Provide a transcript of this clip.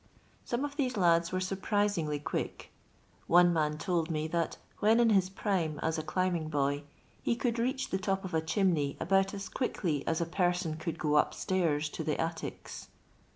Some of these lads were surprisingly quick. One man told me that, when in his prime as a climbing boy, he could reach the top of a chimney about as quickly as a person could go up stairs to the attics.